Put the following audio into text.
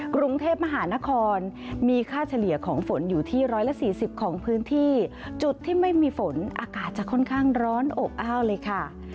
กรุงเทพมหานครมีค่าเฉลี่ยของฝนอยู่ที่๑๔๐ของพื้นที่จุดที่ไม่มีฝนอากาศจะค่อนข้างร้อนอบอ้าวเลยค่ะ